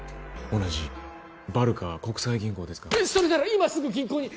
同じバルカ国際銀行ですがそれなら今すぐ銀行に！